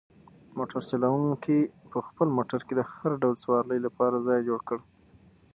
موټر چلونکي په خپل موټر کې د هر ډول سوارلۍ لپاره ځای جوړ کړ.